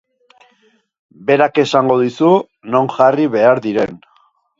Berak esango dizu non jarri behar diren.